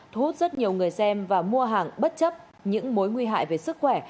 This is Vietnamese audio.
thu hút rất nhiều người xem và mua hàng bất chấp những mối nguy hại về sức khỏe